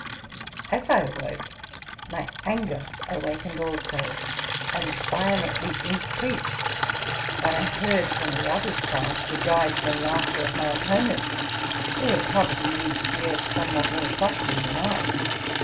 As I awoke, my anger awakened also, and violently increased when I heard from the other side the gibes and laughter of my opponent, who had probably reached the earth somewhat more softly thanI.